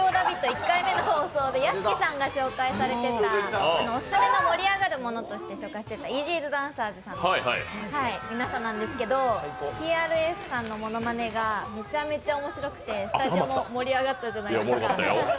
１回目の放送で屋敷さんがオススメの盛り上がるものとして紹介していたイージードゥダンサーズさんの皆さんなんですけどＴＲＦさんのものまねがめちゃめちゃ面白くてスタジオが盛り上がったじゃないですか。